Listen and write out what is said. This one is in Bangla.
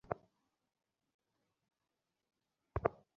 সে বলল, আপনার ক্ষমতার শপথ!